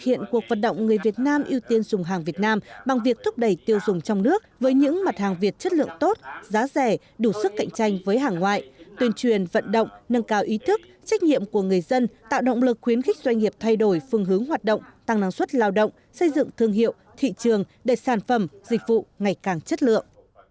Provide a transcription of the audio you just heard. tổ quốc việt nam trưởng ban chỉ đạo trung ương cuộc vận động người việt nam ưu tiên dùng hàng việt nam đã triển khai mạnh mẽ trên khắp các tỉnh thành địa phương trong cả nước